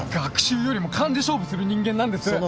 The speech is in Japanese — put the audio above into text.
学習よりも勘で勝負する人間なんです。